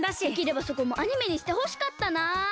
できればそこもアニメにしてほしかったな。